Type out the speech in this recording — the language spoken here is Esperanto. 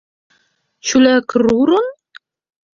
Ĉu la kruron?